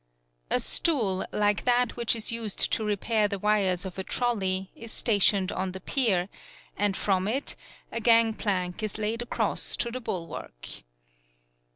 A stool, like that which is used to repair the wires of a trolley, is stationed on the pier, and from it a gangplank is laid across to the bulwark.